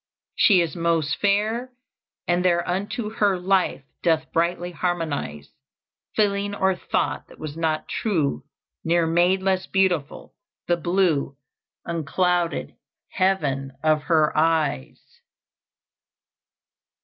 "She is most fair, and thereunto Her life doth brightly harmonize; Feeling or thought that was not true Ne'er made less beautiful the blue Unclouded heaven of her eyes."